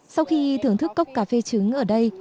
sau khi thưởng thức cốc cà phê trứng ở đây